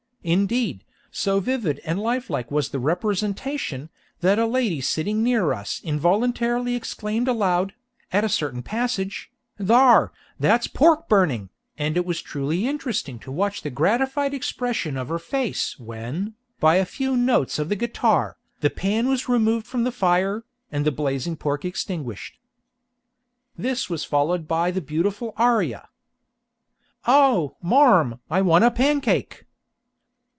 Indeed, so vivid and lifelike was the representation, that a lady sitting near us involuntarily exclaimed aloud, at a certain passage, "Thar, that pork's burning!" and it was truly interesting to watch the gratified expression of her face when, by a few notes of the guitar, the pan was removed from the fire, and the blazing pork extinguished. This is followed by the beautiful aria: "O! marm, I want a pancake!"